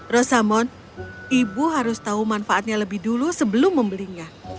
rosamon ibu harus tahu manfaatnya lebih dulu sebelum membelinya